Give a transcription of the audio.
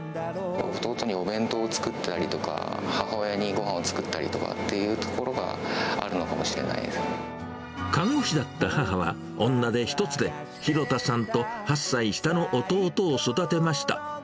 弟にお弁当を作ったりとか、母親にごはんを作ったりとかっていうところがあるのかもしれない看護師だった母は、女手一つで廣田さんと８歳下の弟を育てました。